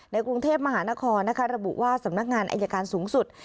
กรุงเทพมหานครระบุว่าสำนักงานอายการสูงสุด